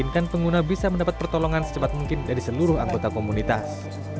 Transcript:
dan pengguna bisa mendapat pertolongan secepat mungkin dari seluruh anggota komunitas